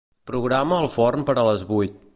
Programa el forn per a les vuit.